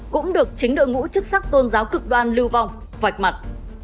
cũng được chính đội ngũ chức sắc tôn giáo cực đoan lưu vong vạch mặt